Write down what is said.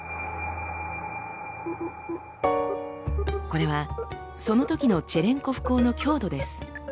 これはそのときのチェレンコフ光の強度です。